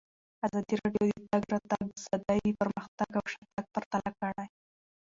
ازادي راډیو د د تګ راتګ ازادي پرمختګ او شاتګ پرتله کړی.